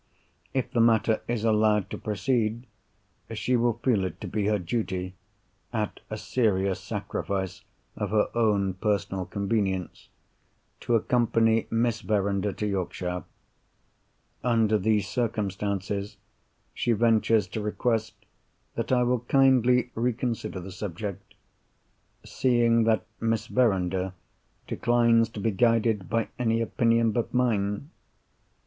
If the matter is allowed to proceed, she will feel it to be her duty—at a serious sacrifice of her own personal convenience—to accompany Miss Verinder to Yorkshire. Under these circumstances, she ventures to request that I will kindly reconsider the subject; seeing that Miss Verinder declines to be guided by any opinion but mine.